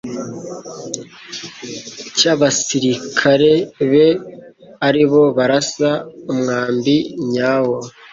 cy'abasirikare be ari bo barasa umwambi nyawo”.